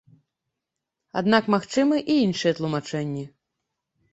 Аднак магчымы і іншыя тлумачэнні.